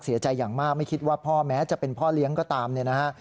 อย่างมากไม่คิดว่าพ่อแม้จะเป็นพ่อเลี้ยงก็ตามเนี่ยนะฮะ